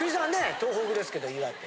東北ですけど岩手。